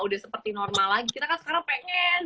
udah seperti normal lagi kita kan sekarang pengen